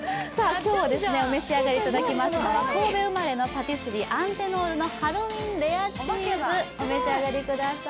今日お召し上がりいただきますのは神戸生まれのパティスリーアンテノールのハロウィン・レアチーズ、お召し上がりください。